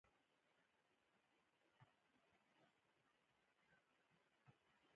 اوبه د خولې بوی له منځه وړي